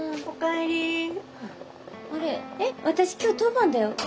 えっ私今日当番だよ。